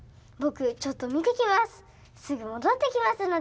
ぼくちょっとみてきます。